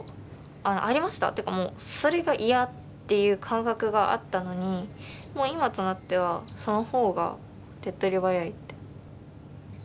ってかもうそれが嫌っていう感覚があったのにもう今となってはその方が手っとり早いって。